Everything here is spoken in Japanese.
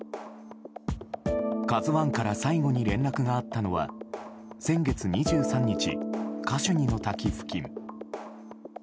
「ＫＡＺＵ１」から最後に連絡があったのは先月２３日、カシュニの滝付近。